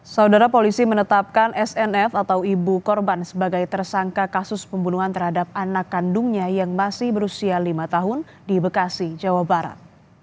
saudara polisi menetapkan snf atau ibu korban sebagai tersangka kasus pembunuhan terhadap anak kandungnya yang masih berusia lima tahun di bekasi jawa barat